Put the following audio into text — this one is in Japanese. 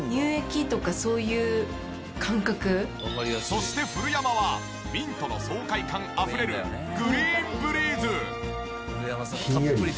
そして古山はミントの爽快感あふれるグリーンブリーズ。